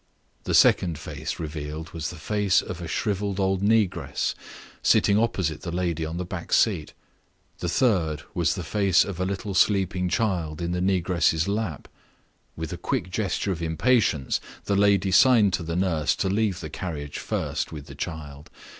The second face revealed was the face of a shriveled old negress, sitting opposite the lady on the back seat. The third was the face of a little sleeping child in the negress's lap. With a quick gesture of impatience, the lady signed to the nurse to leave the carriage first with the child.